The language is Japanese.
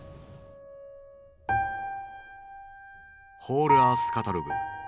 「ホールアースカタログ」。